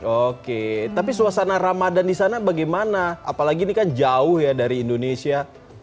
oke tapi suasana ramadan di sana bagaimana apalagi ini kan jauh ya dari indonesia